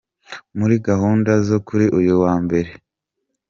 Muri gahunda zo kuri uyu wa mbere Rev.